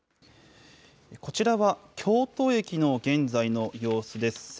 こちらは京都駅の現在の様子です。